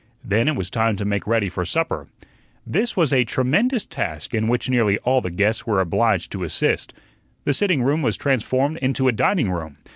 Then it was time to make ready for supper. This was a tremendous task, in which nearly all the guests were obliged to assist. The sitting room was transformed into a dining room.